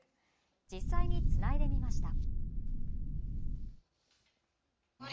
実際につないでみました。